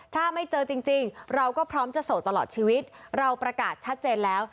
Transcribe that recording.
ถ้าไม่เจอจริงเราก็พร้อมจะโสดตลอดชีวิตเราประกาศชัดเจนแล้ว